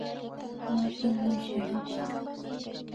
Mashna misharishka